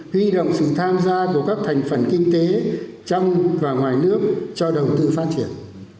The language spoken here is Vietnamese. huy động sự tham gia của các thành phần kinh tế trong và ngoài nước cho đầu tư phát triển